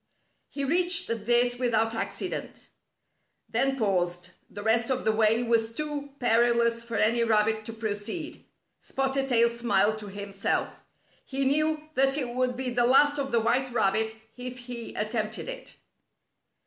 He reached this without accident. Then paused. The rest of the way was too perilous for any rabbit to proceed. Spotted Tail smiled to himself. He knew that it would be the last of the white rabbit if he attempted it.